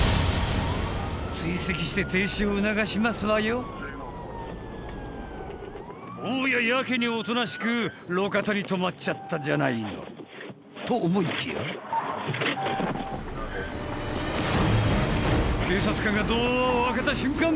追跡して停止を促しますわよおややけにおとなしく路肩に止まっちゃったじゃないのと思いきや警察官がドアを開けた瞬間